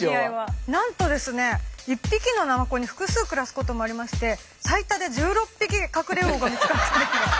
なんとですね１匹のナマコに複数暮らすこともありまして最多で１６匹カクレウオが見つかったときも。